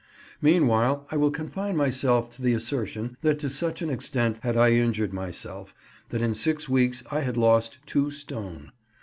Meanwhile I will confine myself to the assertion, that to such an extent had I injured myself that in six weeks I had lost two stone.